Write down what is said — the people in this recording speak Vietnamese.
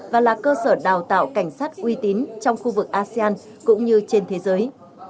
và là cơ sở đào tạo cảnh sát uy tín trong khu vực asean cũng như trên thế giới